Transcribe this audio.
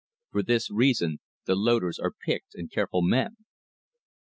For this reason the loaders are picked and careful men.